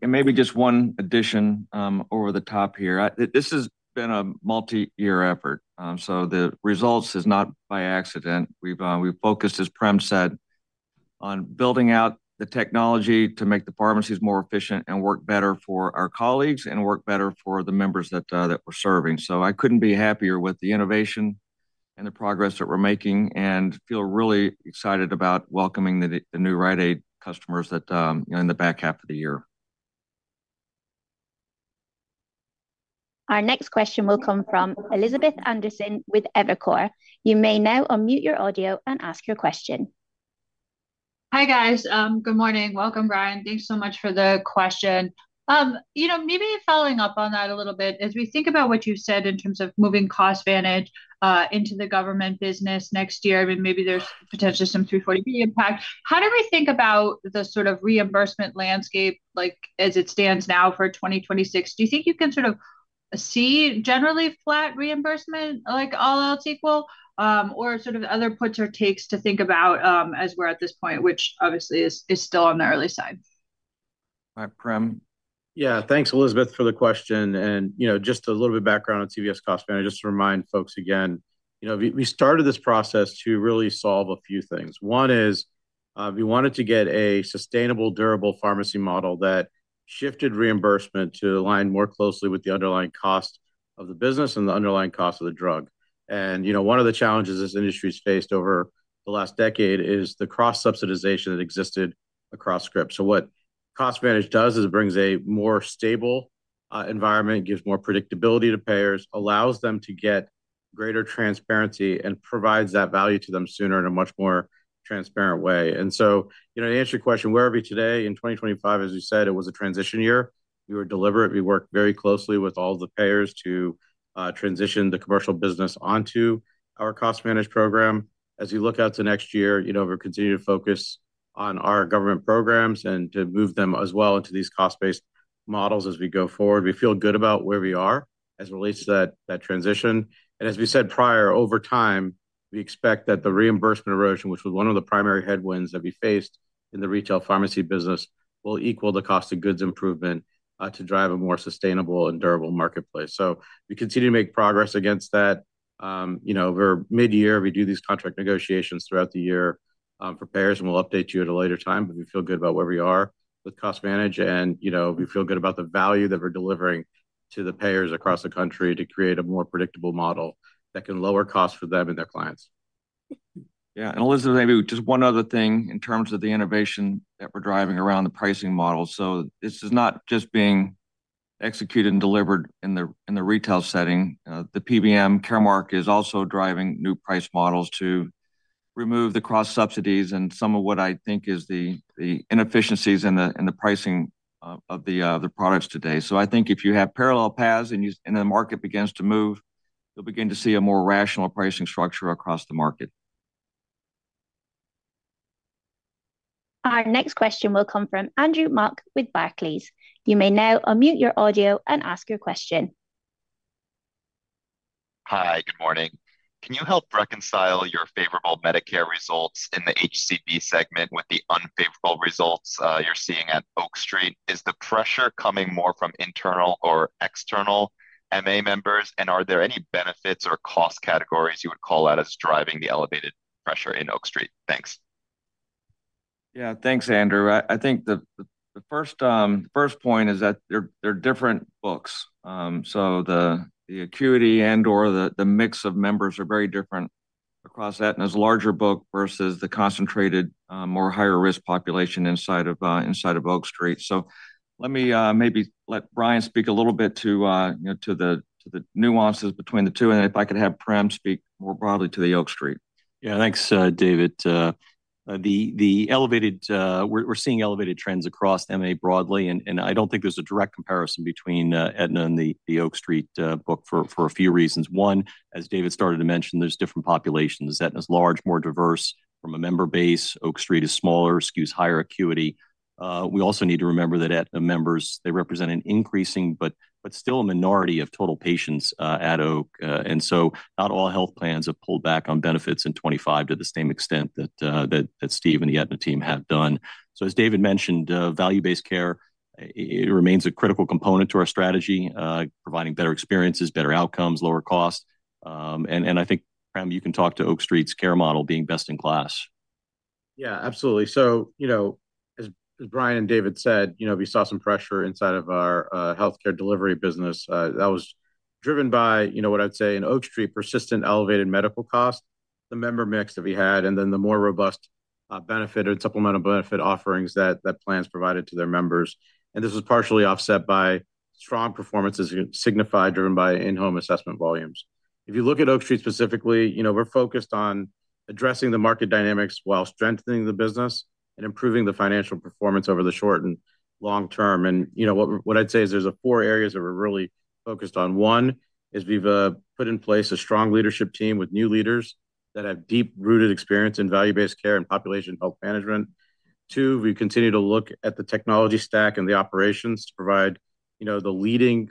Maybe just one addition over the top here. This has been a multi-year effort. The results are not by accident. We've focused, as Prem said, on building out the technology to make the pharmacies more efficient and work better for our colleagues and work better for the members that we're serving. I couldn't be happier with the innovation and the progress that we're making and feel really excited about welcoming the new Rite Aid customers in the back half of the year. Our next question will come from Elizabeth Anderson with Evercore. You may now unmute your audio and ask your question. Hi, guys. Good morning. Welcome, Brian. Thanks so much for the question. Maybe following up on that a little bit, as we think about what you said in terms of moving CostVantage into the government business next year, maybe there's potentially some 340B impact. How do we think about the sort of reimbursement landscape as it stands now for 2026? Do you think you can sort of see generally flat reimbursement, like all else equal, or sort of other puts or takes to think about as we're at this point, which obviously is still on the early side? Hi, Prem. Yeah, thanks, Elizabeth, for the question. Just a little bit of background on CVS cost management, just to remind folks again. We started this process to really solve a few things. One is, we wanted to get a sustainable, durable pharmacy model that shifted reimbursement to align more closely with the underlying cost of the business and the underlying cost of the drug. One of the challenges this industry has faced over the last decade is the cross-subsidization that existed across scripts. What cost management does is it brings a more stable environment, gives more predictability to payers, allows them to get greater transparency, and provides that value to them sooner in a much more transparent way. To answer your question, where are we today? In 2025, as we said, it was a transition year. We were deliberate. We worked very closely with all of the payers to transition the commercial business onto our cost management program. As we look out to next year, we're continuing to focus on our government programs and to move them as well into these cost-based models as we go forward. We feel good about where we are as it relates to that transition. As we said prior, over time, we expect that the reimbursement erosion, which was one of the primary headwinds that we faced in the retail pharmacy business, will equal the cost of goods improvement to drive a more sustainable and durable marketplace. We continue to make progress against that. Over mid-year, we do these contract negotiations throughout the year for payers, and we'll update you at a later time. We feel good about where we are with CostVantage, and we feel good about the value that we're delivering to the payers across the country to create a more predictable model that can lower costs for them and their clients. Yeah. Elizabeth, maybe just one other thing in terms of the innovation that we're driving around the pricing model. This is not just being executed and delivered in the retail setting. The PBM Caremark is also driving new price models to remove the cross-subsidies and some of what I think is the inefficiencies in the pricing of the products today. I think if you have parallel paths and the market begins to move, you'll begin to see a more rational pricing structure across the market. Our next question will come from Andrew Mok with Barclays. You may now unmute your audio and ask your question. Hi, good morning. Can you help reconcile your favorable Medicare results in the HCB segment with the unfavorable results you're seeing at Oak Street? Is the pressure coming more from internal or external MA members, and are there any benefits or cost categories you would call out as driving the elevated pressure in Oak Street? Thanks. Yeah, thanks, Andrew. I think the first point is that they're different books. The acuity and/or the mix of members are very different across that, and it's a larger book versus the concentrated more higher-risk population inside of Oak Street. Let me maybe let Brian speak a little bit to the nuances between the two, and if I could have Prem speak more broadly to the Oak Street. Yeah, thanks, David. We're seeing elevated trends across MA broadly, and I don't think there's a direct comparison between Aetna and the Oak Street book for a few reasons. One, as David started to mention, there's different populations. Aetna is large, more diverse from a member base. Oak Street is smaller, excuse higher acuity. We also need to remember that Aetna members, they represent an increasing but still a minority of total patients at Oak. Not all health plans have pulled back on benefits in 2025 to the same extent that Steve and the Aetna team have done. As David mentioned, value-based care remains a critical component to our strategy, providing better experiences, better outcomes, lower costs. I think, Prem, you can talk to Oak Street's care model being best in class. Yeah, absolutely. As Brian and David said, we saw some pressure inside of our Healthcare delivery business. That was driven by what I'd say in Oak Street, persistent elevated medical costs, the member mix that we had, and then the more robust benefit and supplemental benefit offerings that plans provided to their members. This was partially offset by strong performances Signify driven by in-home assessment volumes. If you look at Oak Street specifically, we're focused on addressing the market dynamics while strengthening the business and improving the financial performance over the short and long term. What I'd say is there's four areas that we're really focused on. One is we've put in place a strong leadership team with new leaders that have deep-rooted experience in value-based care and population health management. Two, we continue to look at the technology stack and the operations to provide the leading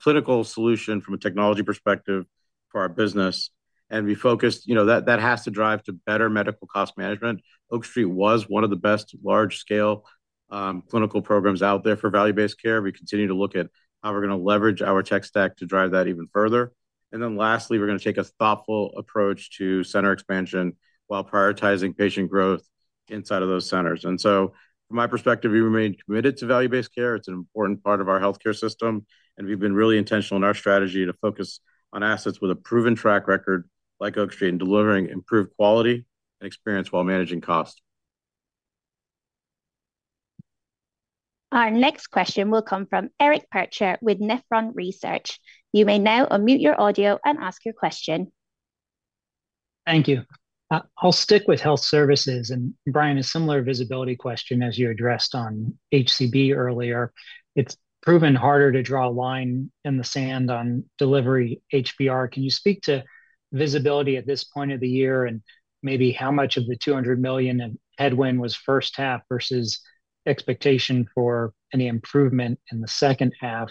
clinical solution from a technology perspective for our business. We focused, that has to drive to better medical cost management. Oak Street was one of the best large-scale clinical programs out there for value-based care. We continue to look at how we're going to leverage our tech stack to drive that even further. Lastly, we are going to take a thoughtful approach to center expansion while prioritizing patient growth inside of those centers. From my perspective, we remain committed to value-based care. It is an important part of our healthcare system, and we have been really intentional in our strategy to focus on assets with a proven track record like Oak Street in delivering improved quality and experience while managing costs. Our next question will come from Eric Percher with Nephron Research. You may now unmute your audio and ask your question. Thank you. I will stick with health services. Brian, a similar visibility question as you addressed on HCB earlier. It has proven harder to draw a line in the sand on delivery HBR. Can you speak to visibility at this point of the year and maybe how much of the $200 million headwind was first half versus expectation for any improvement in the second half?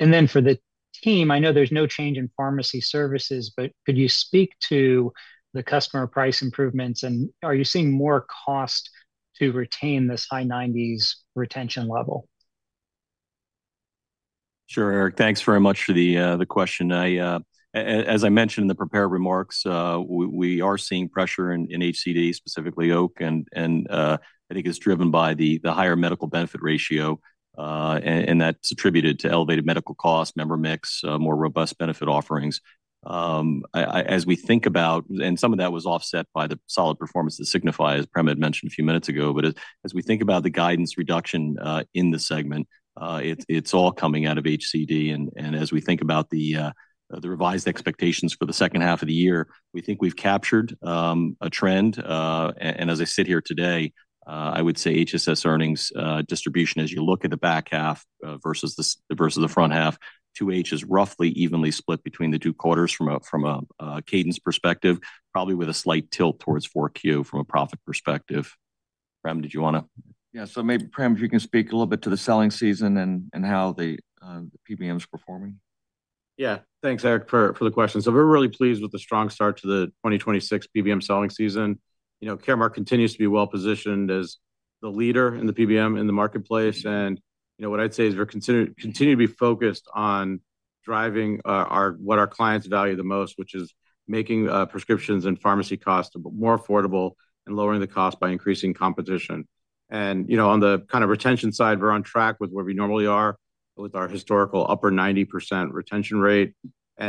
For the team, I know there is no change in pharmacy services, but could you speak to the customer price improvements? Are you seeing more cost to retain this high 90% retention level? Sure, Eric. Thanks very much for the question. As I mentioned in the prepared remarks, we are seeing pressure in HCD, specifically Oak, and I think it is driven by the higher medical benefit ratio. That is attributed to elevated medical cost, member mix, and more robust benefit offerings. Some of that was offset by the solid performance that Signify is, as Prem had mentioned a few minutes ago, but as we think about the guidance reduction in the segment, it is all coming out of HCD. As we think about the revised expectations for the second half of the year, we think we have captured a trend. As I sit here today, I would say HSS earnings distribution, as you look at the back half versus the front half, 2H is roughly evenly split between the two quarters from a cadence perspective, probably with a slight tilt towards 4Q from a profit perspective. Prem, did you want to? Yeah. Maybe, Prem, if you can speak a little bit to the selling season and how the PBM is performing. Yeah. Thanks, Eric, for the question. We are really pleased with the strong start to the 2026 PBM selling season. Caremark continues to be well-positioned as the leader in the PBM in the marketplace. What I would say is we are continuing to be focused on. Driving what our clients value the most, which is making prescriptions and pharmacy costs more affordable and lowering the cost by increasing competition. On the retention side, we're on track with where we normally are with our historical upper 90% retention rate. The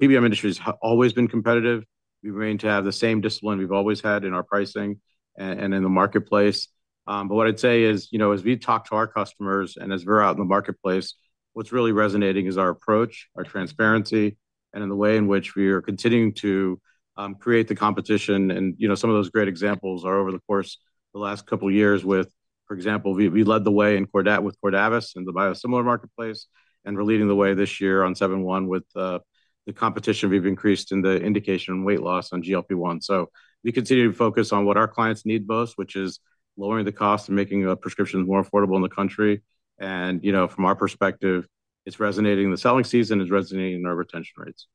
PBM industry has always been competitive. We remain to have the same discipline we've always had in our pricing and in the marketplace. What I'd say is, as we talk to our customers and as we're out in the marketplace, what's really resonating is our approach, our transparency, and the way in which we are continuing to create the competition. Some of those great examples are over the course of the last couple of years. For example, we led the way with Cordavis in the biosimilar marketplace, and we're leading the way this year on 7-1 with the competition we've increased in the indication and weight loss on GLP-1. We continue to focus on what our clients need most, which is lowering the cost and making prescriptions more affordable in the country. From our perspective, it's resonating. The selling season is resonating in our retention rates.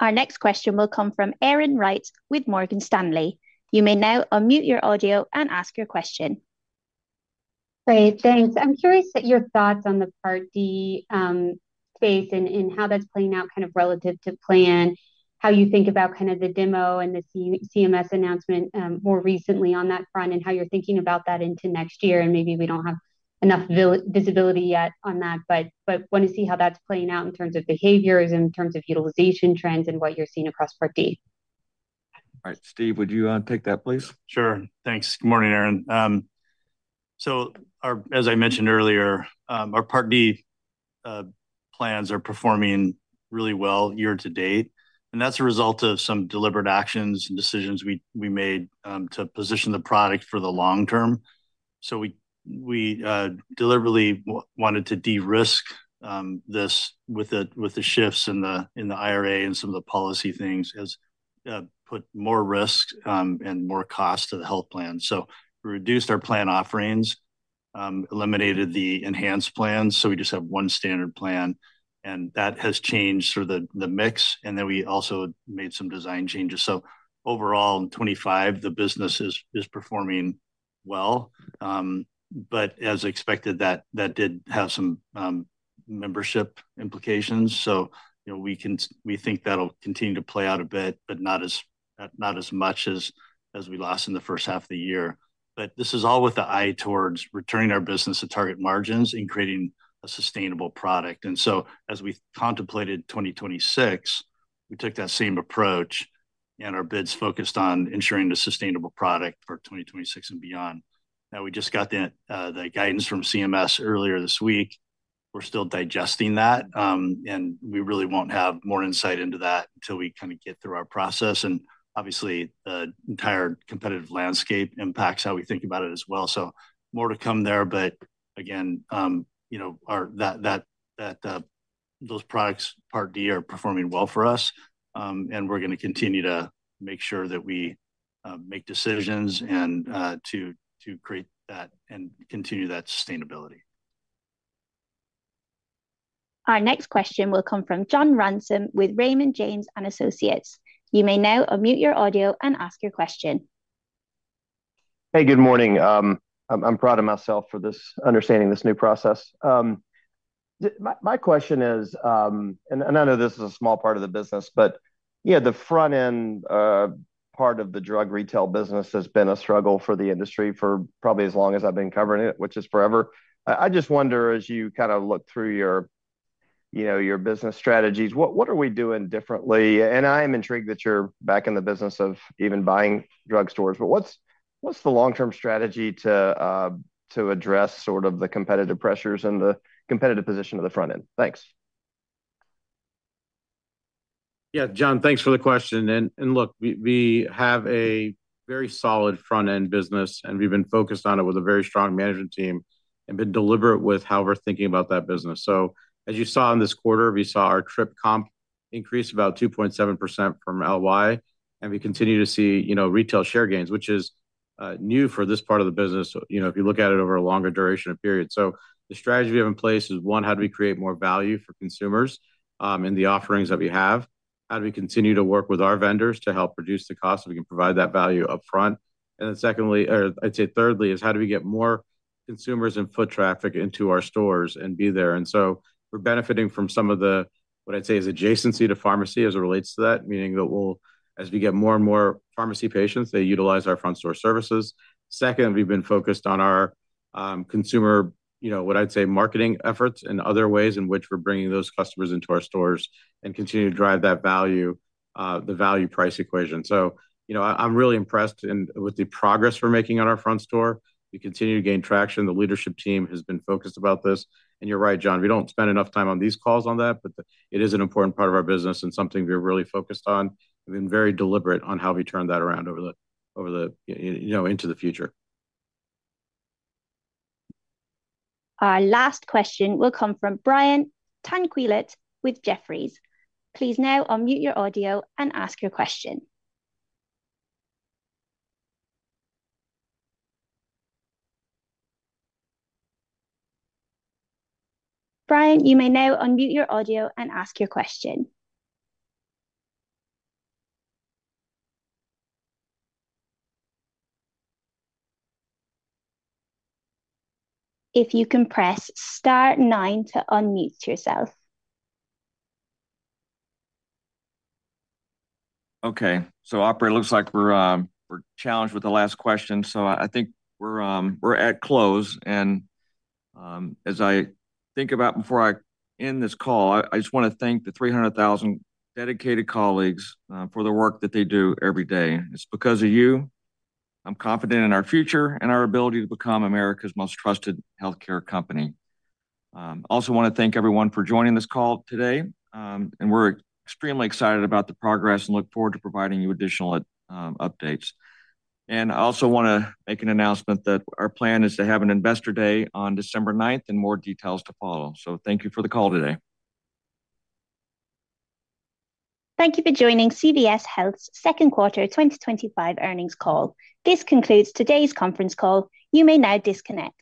Our next question will come from Erin Wright with Morgan Stanley. You may now unmute your audio and ask your question. Great. Thanks. I'm curious at your thoughts on the Part D phase and how that's playing out kind of relative to plan, how you think about kind of the demo and the CMS announcement more recently on that front, and how you're thinking about that into next year. Maybe we don't have enough visibility yet on that, but want to see how that's playing out in terms of behaviors, in terms of utilization trends, and what you're seeing across Part D. All right. Steve, would you take that, please? Sure. Thanks. Good morning, Erin. As I mentioned earlier, our Part D plans are performing really well year to date. That's a result of some deliberate actions and decisions we made to position the product for the long term. We deliberately wanted to de-risk this with the shifts in the IRA and some of the policy things that have put more risk and more cost to the health plan. We reduced our plan offerings, eliminated the enhanced plans, so we just have one standard plan. That has changed the mix. We also made some design changes. Overall, in 2025, the business is performing well. As expected, that did have some membership implications. We think that'll continue to play out a bit, but not as much as we lost in the first half of the year. This is all with the eye towards returning our business to target margins and creating a sustainable product. As we contemplated 2026, we took that same approach. Our bids focused on ensuring a sustainable product for 2026 and beyond. We just got the guidance from CMS earlier this week. We're still digesting that, and we really won't have more insight into that until we get through our process. Obviously, the entire competitive landscape impacts how we think about it as well. More to come there. Those products, Part D, are performing well for us, and we're going to continue to make sure that we make decisions to create that and continue that sustainability. Our next question will come from John Ransom with Raymond James & Associates. You may now unmute your audio and ask your question. Hey, good morning. I'm proud of myself for understanding this new process. My question is, and I know this is a small part of the business, but the front-end part of the drug retail business has been a struggle for the industry for probably as long as I've been covering it, which is forever. I just wonder, as you look through your business strategies, what are we doing differently? I am intrigued that you're back in the business of even buying drug stores. What's the long-term strategy to address the competitive pressures and the competitive position of the front end? Thanks. Yeah, John, thanks for the question. We have a very solid front-end business, and we've been focused on it with a very strong management team and been deliberate with how we're thinking about that business. As you saw in this quarter, we saw our trip comp increase about 2.7% from LY, and we continue to see retail share gains, which is new for this part of the business if you look at it over a longer duration of period. The strategy we have in place is, one, how do we create more value for consumers in the offerings that we have? How do we continue to work with our vendors to help reduce the cost so we can provide that value upfront? Thirdly, how do we get more consumers and foot traffic into our stores and be there? We're benefiting from some of the, what I'd say, is adjacency to pharmacy as it relates to that, meaning that as we get more and more pharmacy patients, they utilize our front-store services. We've been focused on our consumer, what I'd say, marketing efforts and other ways in which we're bringing those customers into our stores and continue to drive the value-price equation. I'm really impressed with the progress we're making on our front store. We continue to gain traction. The leadership team has been focused about this. You're right, John, we don't spend enough time on these calls on that, but it is an important part of our business and something we're really focused on. We've been very deliberate on how we turn that around into the future. Our last question will come from Brian Tanquilut with Jefferies. Please now unmute your audio and ask your question. Brian, you may now unmute your audio and ask your question. If you can press star nine to unmute yourself. Operator, it looks like we're challenged with the last question. I think we're at close. As I think about before I end this call, I just want to thank the 300,000 dedicated colleagues for the work that they do every day. It's because of you, I'm confident in our future and our ability to become America's most trusted healthcare company. I also want to thank everyone for joining this call today. We're extremely excited about the progress and look forward to providing you additional updates. I also want to make an announcement that our plan is to have an investor day on December 9th and more details to follow. Thank you for the call today. Thank you for joining CVS Health's Second Quarter 2025 Earnings Call. This concludes today's conference call. You may now disconnect.